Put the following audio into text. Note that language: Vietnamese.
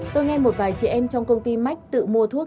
tôi nghe một vài chị em trong công ty mách tự mua thuốc